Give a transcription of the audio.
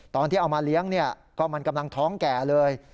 ตอนที่เอามาเลี้ยงก็มันกำลังท้องแก่เลย